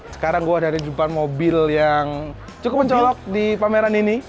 sekarang gue ada di depan mobil yang cukup mencolok di pameran ini